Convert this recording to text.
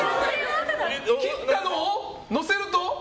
切ったのを載せると。